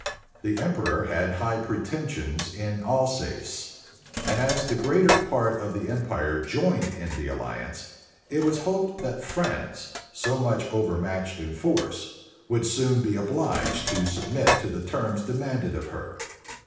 The emperor had high pretensions in Alsace; and as the greater part of the empire joined in the alliance, it was hoped that France, so much overmatched in force, would soon be obliged to submit to the terms demanded of her.